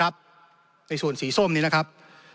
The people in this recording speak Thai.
ในส่วนสีส้มนี้นะครับ